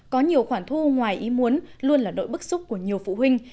có nhiều khoản thu ngoài ý muốn luôn là nỗi bức xúc của nhiều phụ huynh